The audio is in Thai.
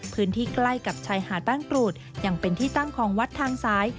พื้นที่ใกล้กับชายหาดบ้านกรูดยังเป็นที่ตั้งของวัดทางซ้าย